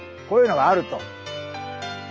こういうのがあると。